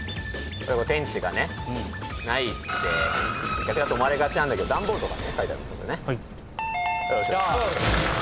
天地がねないって逆だと思われがちなんだけど段ボールとかにね書いてありますよね。